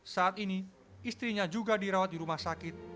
saat ini istrinya juga dirawat di rumah sakit